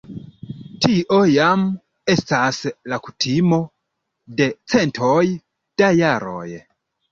Tio jam estas la kutimo de centoj da jaroj.